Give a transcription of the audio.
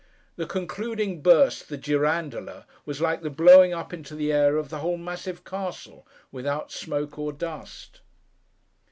The concluding burst—the Girandola—was like the blowing up into the air of the whole massive castle, without smoke or dust.